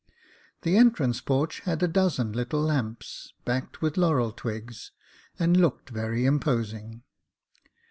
The entrance porch had a dozen little lamps, backed with laurel twigs, and looked very imposing.